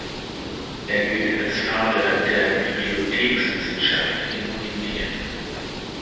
Er gilt als Vater der Bibliothekswissenschaft in Indien.